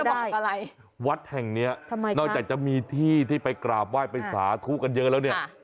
คุณจะบอกอะไรวัดแห่งเนี้ยค่ะแล้วจะจะมีที่ที่จะไปกราบว่ายไปสาธุเลยแล้วเนี้ย